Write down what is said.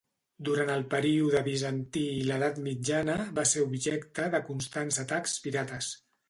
Durant el període bizantí i l'edat mitjana va ser objecte de constants atacs pirates.